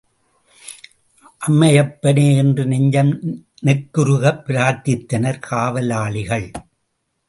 அம்மையப்பனே என்று நெஞ்சம் நெக்குருகப் பிரார்த்தித்தனர் காவலாளிகள்!